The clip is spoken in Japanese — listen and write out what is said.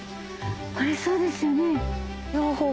これそうですよね？